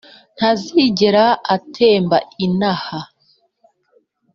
Ntazigera atemba inaha